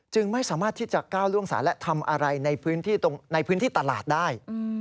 ไม่สามารถที่จะก้าวล่วงศาลและทำอะไรในพื้นที่ตลาดได้